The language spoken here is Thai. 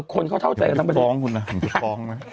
คนเขาเท่าใจกันทั้งประสิทธิ์